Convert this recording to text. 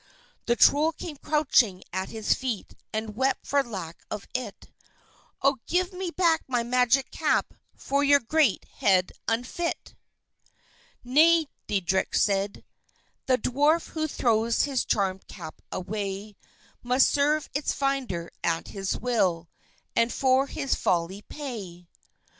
The Troll came crouching at his feet and wept for lack of it. "Oh, give me back my magic cap, for your great head unfit!" "Nay," Deitrich said; "the Dwarf who throws his charmèd cap away, Must serve its finder at his will, and for his folly pay.